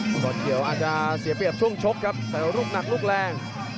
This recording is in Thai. กรเขียวอาจจะเสียเปรียบช่วงชกครับแต่ลูกหนักลูกแรง